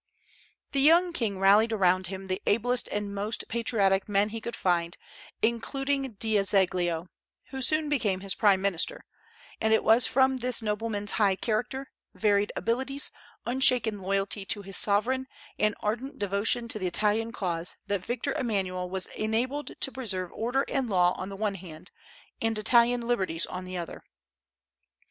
The young king rallied around him the ablest and most patriotic men he could find, including D'Azeglio, who soon became his prime minister; and it was from this nobleman's high character, varied abilities, unshaken loyalty to his sovereign, and ardent devotion to the Italian cause, that Victor Emmanuel was enabled to preserve order and law on the one hand and Italian liberties on the other.